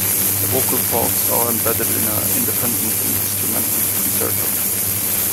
The vocal parts are embedded in an independent instrumental concerto.